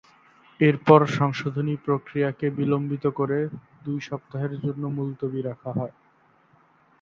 এরপর সংশোধনী প্রক্রিয়াকে বিলম্বিত করে দুই সপ্তাহের জন্য মুলতবি রাখা হয়।